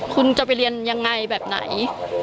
คุณจะไปเรียนยังไงแบบไหน